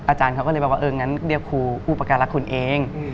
อาจารย์เขาก็เลยบอกว่าเอองั้นเรียกครูอุปการรักคุณเอง